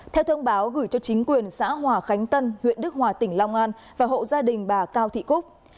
theo thông báo gửi cho chính quyền xã hòa khánh tân huyện đức hòa tỉnh long an và hộ gia đình bà cao thị cúc